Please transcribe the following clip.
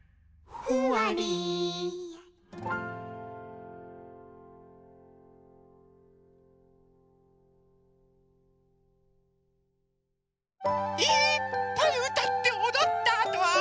「ふわり」いっぱいうたっておどったあとは。